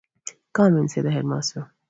"Come in," said the headmaster.